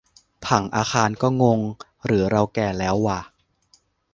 ผังอาคารก็งง หรือเราแก่แล้ววะ